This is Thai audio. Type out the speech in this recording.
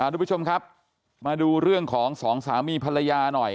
ทุกผู้ชมครับมาดูเรื่องของสองสามีภรรยาหน่อย